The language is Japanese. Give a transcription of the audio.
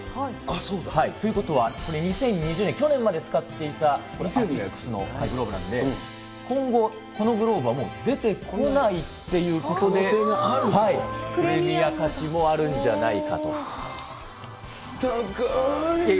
そうだ。ということは、これ、２０２０年、去年まで使っていたこのグローブなんで、今後、このグローブは出てこないっていうことで、プレミア価値もあるん高ーい。